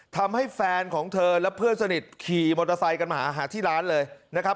ทำให้แฟนของเธอและเพื่อนสนิทขี่มอเตอร์ไซค์กันมาหาที่ร้านเลยนะครับ